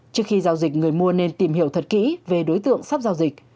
trước khi giao dịch người mua nên tìm hiểu thật kỹ về đối tượng sắp giao dịch